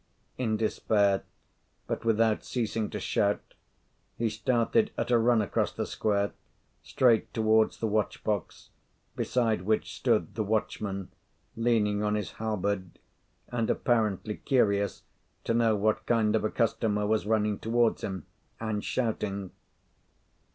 In despair, but without ceasing to shout, he started at a run across the square, straight towards the watchbox, beside which stood the watchman, leaning on his halberd, and apparently curious to know what kind of a customer was running towards him and shouting.